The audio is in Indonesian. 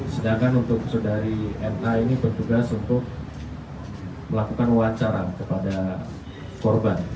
sedangkan untuk saudari na ini bertugas untuk melakukan wawancara kepada korban